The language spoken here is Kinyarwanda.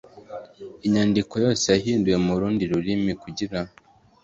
Inyandiko yose yahinduwe mu rundi rurimi kugira